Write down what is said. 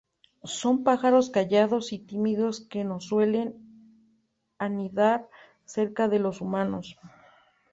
Son pájaros callados y tímidos que no suelen anidar cerca de los humanos.